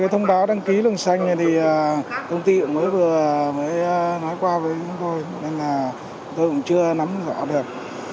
thông báo đăng ký luồng xanh thì công ty mới vừa nói qua với chúng tôi nên là tôi cũng chưa nắm rõ được